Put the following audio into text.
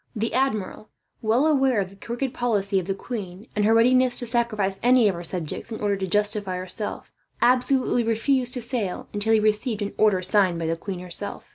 The admiral, well aware of the crooked policy of the queen, and her readiness to sacrifice any of her subjects in order to justify herself, absolutely refused to sail until he received an order signed by the queen herself.